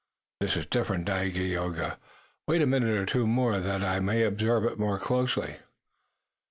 "This is different, Dagaeoga. Wait a minute or two more that I may observe it more closely."